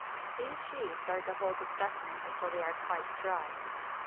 These sheets are to hold the specimens until they are quite dry.